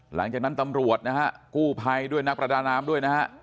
หลังจากนั้นตำรวจนะฮะกู้ภัยด้วยนักประดาน้ำด้วยนะฮะ